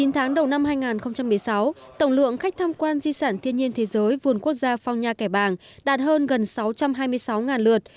chín tháng đầu năm hai nghìn một mươi sáu tổng lượng khách tham quan di sản thiên nhiên thế giới vườn quốc gia phong nha kẻ bàng đạt hơn gần sáu trăm hai mươi sáu lượt